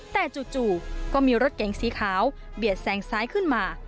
แต่จู่ก็มีรถเก๋งสีขาวเบียดแสงซ้ายขึ้นมา